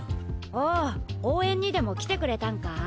おう応援にでも来てくれたんか？